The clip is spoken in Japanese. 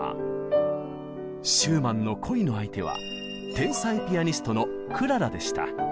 シューマンの恋の相手は天才ピアニストのクララでした。